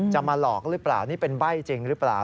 มาหลอกหรือเปล่านี่เป็นใบ้จริงหรือเปล่า